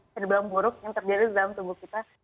seribam buruk yang terjadi dalam tubuh kita